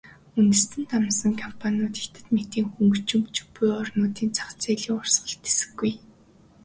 Үндэстэн дамнасан компаниуд Хятад мэтийн хөгжиж буй орнуудын зах зээлийн урсгалд тэсэхгүй.